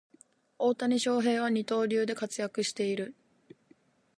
大谷翔平は二刀流で活躍している